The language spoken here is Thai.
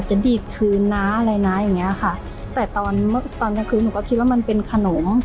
ดีดคืนนะอะไรนะอย่างเงี้ยค่ะแต่ตอนเมื่อตอนกลางคืนหนูก็คิดว่ามันเป็นขนม